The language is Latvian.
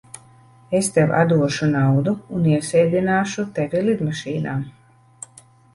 Es tev atdošu naudu un iesēdināšu tevi lidmašīnā.